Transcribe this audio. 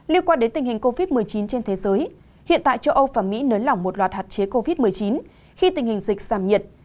liên quan đến tình hình covid một mươi chín trên thế giới hiện tại châu âu và mỹ nới lỏng một loạt hạn chế covid một mươi chín khi tình hình dịch giảm nhiệt